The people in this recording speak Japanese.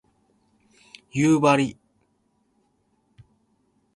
夕張